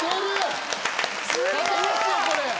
勝てますよ、これ！